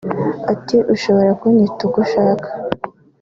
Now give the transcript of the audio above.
Ati”Ushobora kunyita uko ushaka